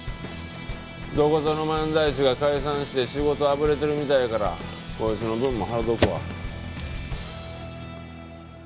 どこぞの漫才師が解散して仕事あぶれてるみたいやからこいつの分も払うとくわ。